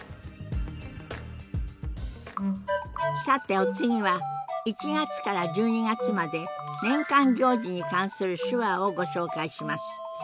さてお次は１月から１２月まで年間行事に関する手話をご紹介します。